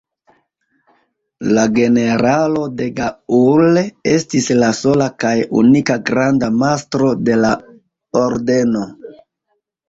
La generalo De Gaulle estis la sola kaj unika granda mastro de la ordeno.